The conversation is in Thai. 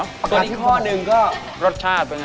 รสชาติเป็นยังไงครับ